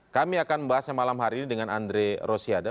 kami akan membahasnya malam hari ini dengan andre rosiada